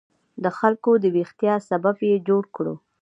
د خلکو د ویښتیا سبب یې جوړ کړو.